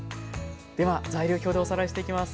では材料表でおさらいしていきます。